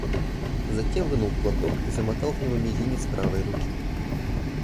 Затем вынул платок и замотал в него мизинец правой руки.